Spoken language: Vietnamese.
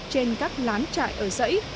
trên các lán trại ở dãy